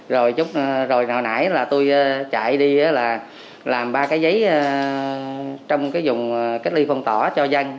rồi hồi nãy là tôi chạy đi là làm ba cái giấy trong cái dùng cách ly phong tỏa cho dân